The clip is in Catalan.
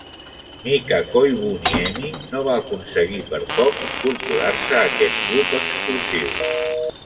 Mika Koivuniemi no va aconseguir, per poc, incorporar-se a aquest club exclusiu.